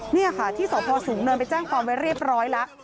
นี่ค่ะที่สพสูงเนินไปแจ้งความไว้เรียบร้อยแล้ว